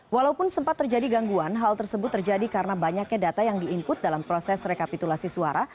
walaupun sempat terjadi gangguan hal tersebut terjadi karena banyaknya data yang di input dalam proses rekapitulasi suara